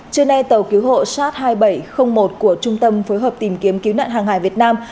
trưa nay tàu cứu hộ sars hai nghìn bảy trăm linh một của trung tâm phối hợp tìm kiếm cứu nạn hàng hải việt nam